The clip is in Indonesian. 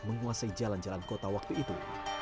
menguasai jalan jalan kota waktu itu